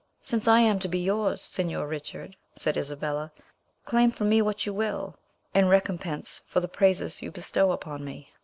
"Since I am to be yours, señor Richard," said Isabella, "claim from me what you will in recompense for the praises you bestow upon me."